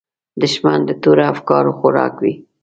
دښمن د تورو افکارو خوراک وي